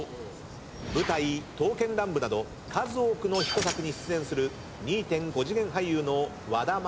舞台『刀剣乱舞』など数多くのヒット作に出演する２．５次元俳優の和田雅成です。